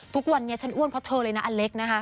ทุกวันนี้ฉันอ้วนเพราะเธอเลยนะอเล็กนะคะ